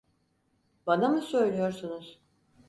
Bana mı söylüyorsunuz?